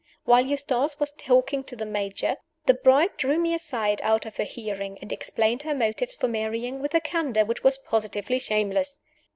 While Eustace was talking to the Major, the bride drew me aside out of their hearing, and explained her motives for marrying, with a candor which was positively shameless.